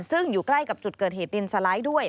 ซึ่งอยู่ใกล้กับจุดเกิดเหตุดินสไลด์ด้วย